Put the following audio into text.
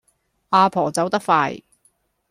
呀婆走得快